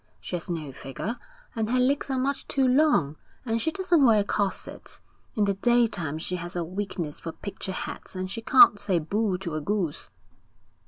She has no figure, and her legs are much too long, and she doesn't wear corsets. In the daytime she has a weakness for picture hats, and she can't say boo to a goose.'